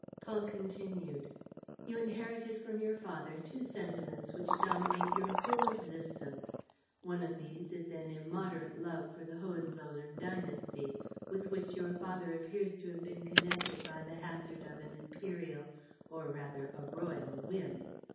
Paul continued: "You inherited from your father two sentiments which dominate your whole existence. One of these is an immoderate love for the Hohenzollern dynasty, with which your father appears to have been connected by the hazard of an imperial or rather a royal whim.